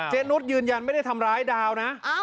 นุษย์ยืนยันไม่ได้ทำร้ายดาวนะ